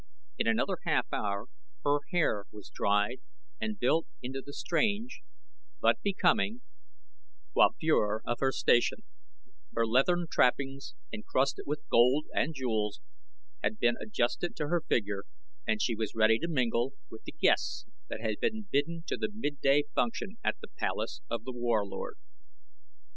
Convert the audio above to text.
In another half hour her hair was dried and built into the strange, but becoming, coiffure of her station; her leathern trappings, encrusted with gold and jewels, had been adjusted to her figure and she was ready to mingle with the guests that had been bidden to the midday function at the palace of The Warlord.